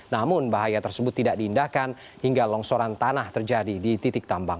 namun bahaya tersebut tidak diindahkan hingga longsoran tanah terjadi di titik tambang